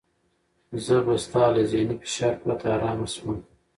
زه به سبا له ذهني فشار پرته ارامه شوم.